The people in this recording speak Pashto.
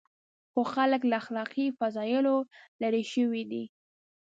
خو خلک له اخلاقي فضایلو لرې شوي دي.